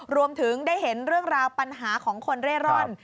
รวมถึงได้เห็นเรื่องราวปัญหาของคนเร่ร่อน